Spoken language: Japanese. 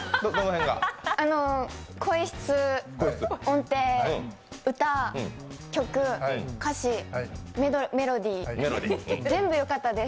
あの声質、音程、歌、曲、歌詞、メロディー、全部よかったです。